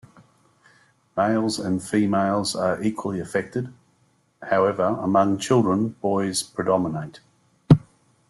Males and females are equally affected; however, among children, boys predominate.